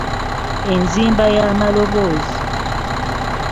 Enzimba y’amaloboozi